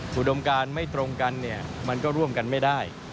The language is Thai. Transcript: ผู้ดมการไม่ตรงกันมันก็ร่วมกันไม่ได้